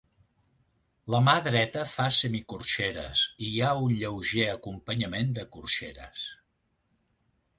La mà dreta fa semicorxeres i hi ha un lleuger acompanyament de corxeres.